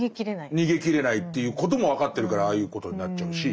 逃げきれないということも分かってるからああいうことになっちゃうし。